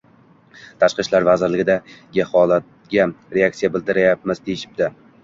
Tashqi ishlar vazirligidagi holatga reaksiya bildirmayapsiz deyishibdi.